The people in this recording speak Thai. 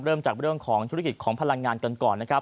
เริ่มจากเรื่องของธุรกิจของพลังงานกันก่อนนะครับ